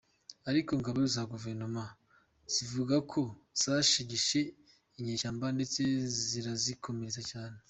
Ariko ingabo za guverinoma zivuga ko zashegeshe inyeshyamba ndetse zirazikomeretsa cyane.